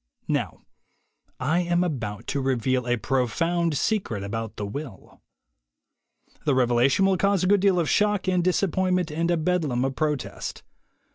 Now I am about to reveal a profound secret about the will. The revelation will cause a good deal of shock and disappointment and a bedlam of protest.